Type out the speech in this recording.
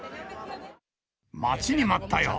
待ちに待ったよ。